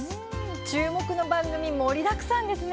注目の番組が盛りだくさんですね。